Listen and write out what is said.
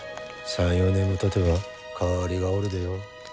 ３４年もたてば代わりがおるでよ。